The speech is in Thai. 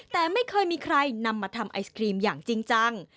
แต่ไม่เคยมีใครนำมาทำไอศครีมอย่างจริงจัง